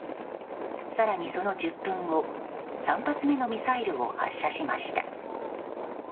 更に、その１０分後３発目のミサイルを発射しました。